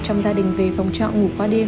trong gia đình về phòng trọng ngủ qua đêm